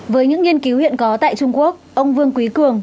với những nghiên cứu hiện có tại trung quốc ông vương quý cường